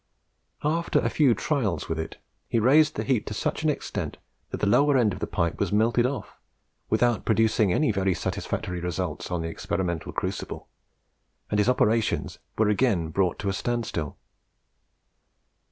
After a few trials with it, he raised the heat to such an extent that the lower end of the pipe was melted off, without producing any very satisfactory results on the experimental crucible, and his operations were again brought to a standstill.